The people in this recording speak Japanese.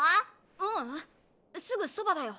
ううんすぐそばだよ。